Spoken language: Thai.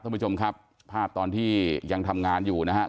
ท่านผู้ชมครับภาพตอนที่ยังทำงานอยู่นะครับ